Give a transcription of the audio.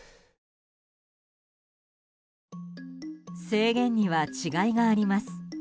制限には違いがあります。